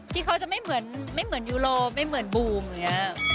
ที่เขาจะไม่เหมือนไม่เหมือนยูโรไม่เหมือนบูมอย่างนี้